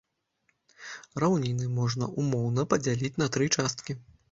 Раўніны можна ўмоўна падзяліць на тры часткі.